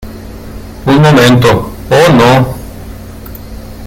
Un momento. ¡ oh, no!